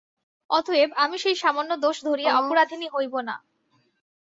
অতএব আমি সেই সামান্য দোষ ধরিয়া অপরাধিনী হইব না।